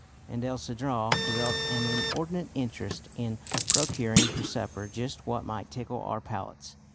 And El Cedral developed an inordinate interest in procuring for supper just what might tickle our palates.